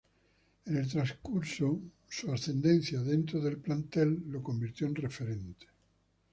En el transcurso, su ascendencia dentro del plantel, lo convirtió en referente.